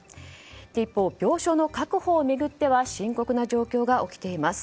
一方、病床の確保を巡っては深刻な状況が起きています。